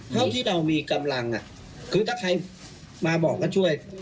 เท่าที่เรามีกำลังคือถ้าใครมาบอกก็ช่วย